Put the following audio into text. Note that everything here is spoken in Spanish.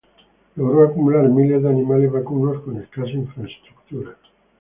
Logró acumular miles de animales vacunos con escasa infraestructura.